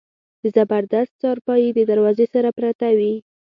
د زبردست څارپايي د دروازې سره پرته وه.